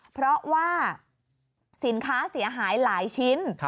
เพราะว่าสินค้าเสียหายหลายชิ้น